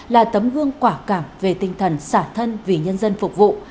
là tấm gương quả cảm về tinh thần xả thân vì nhân dân phục vụ